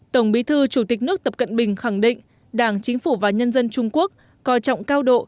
tổng bí thư chủ tịch nước tập cận bình khẳng định đảng chính phủ và nhân dân trung quốc coi trọng cao độ